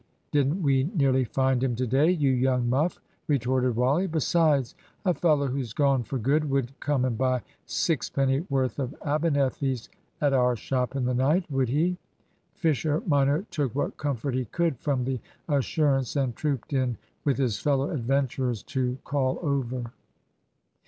Didn't we nearly find him to day, you young muff?" retorted Wally. "Besides, a fellow who's gone for good wouldn't come and buy sixpenny worth of Abernethys at our shop in the night, would he?" Fisher minor took what comfort he could from the assurance, and trooped in with his fellow adventurers to call over.